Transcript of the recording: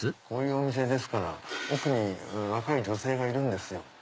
こういうお店ですから奥に若い女性がいるんですよ。